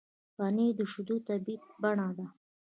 پنېر د شیدو طبیعي بڼه ده.